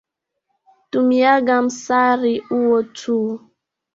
Tumiaga msari uo tu.